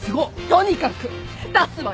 とにかく出すわよ！